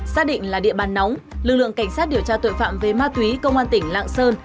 xác định là địa bàn nóng lực lượng cảnh sát điều tra tội phạm về ma túy công an tỉnh lạng sơn